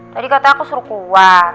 tadi katanya aku suruh keluar